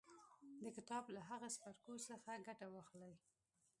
د کتاب له هغو څپرکو څخه ګټه واخلئ